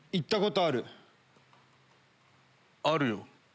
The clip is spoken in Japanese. あるよ。